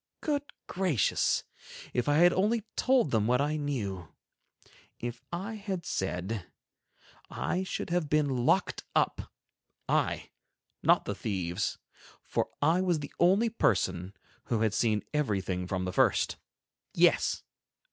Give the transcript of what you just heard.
Good gracious! If I had only told them what I knew—If I had said—I should have been locked up—I, not the thieves—for I was the only person who had seen everything from the first. Yes!